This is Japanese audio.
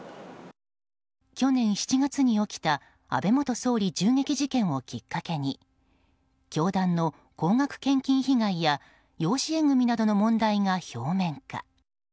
去年７月に起きた安倍元総理銃撃事件をきっかけに教団の高額献金被害や養子縁組などの問題が表面化。